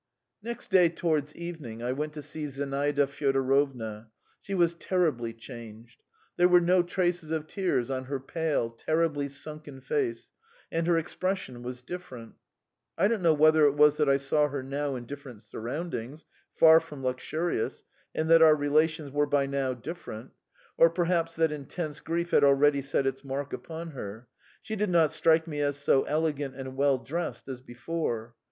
Next day towards evening I went to see Zinaida Fyodorovna. She was terribly changed. There were no traces of tears on her pale, terribly sunken face, and her expression was different. I don't know whether it was that I saw her now in different surroundings, far from luxurious, and that our relations were by now different, or perhaps that intense grief had already set its mark upon her; she did not strike me as so elegant and well dressed as before.